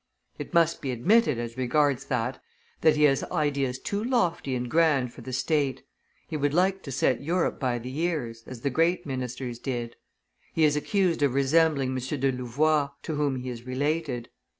It must be admitted, as regards that, that he has ideas too lofty and grand for the state; he would like to set Europe by the ears, as the great ministers did; he is accused of resembling M. de Louvois, to whom he is related.